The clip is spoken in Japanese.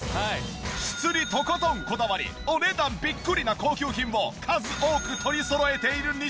質にとことんこだわりお値段ビックリな高級品を数多く取りそろえている西川。